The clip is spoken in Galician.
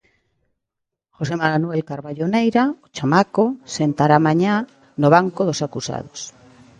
José Manuel Carballo Neira, o Chamaco, sentará mañá no banco dos acusados.